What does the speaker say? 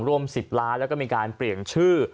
ร่วม๑๐ล้านแล้วก็มีการเปลี่ยนชื่อ